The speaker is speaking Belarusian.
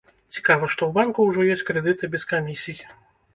Цікава, што ў банку ўжо ёсць крэдыты без камісій.